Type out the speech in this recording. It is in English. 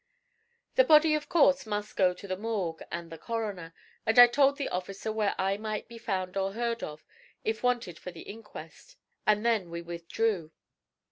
The body of course must go to the Morgue and the coroner, and I told the officer where I might be found or heard of, if wanted for the inquest, and then we withdrew.